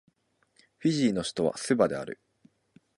フィジーの首都はスバである